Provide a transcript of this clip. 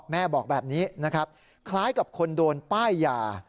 แม่บอกแบบนี้นะครับคล้ายกับคนโดนป้ายยา